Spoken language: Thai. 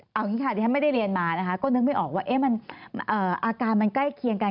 เอาอย่างนี้ค่ะที่ฉันไม่ได้เรียนมานะคะก็นึกไม่ออกว่าอาการมันใกล้เคียงกัน